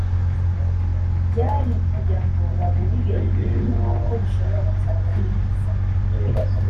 byari ukugira ngo baburire ibyo bihugu ko bishobora kuzahura n’ibiza